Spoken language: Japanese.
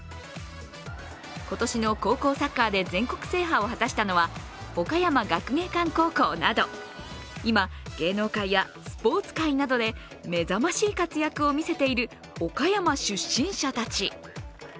今年の高校サッカーで全国制覇を果たしたのは岡山学芸館高校など今、芸能界やスポーツ界などで目覚ましい活躍を見せている岡山出身者たち。